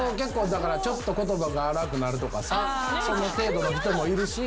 ちょっと言葉が荒くなるとかさその程度の人もいるし。